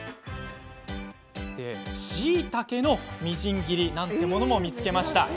しいたけのみじん切りなんてものも見つけました。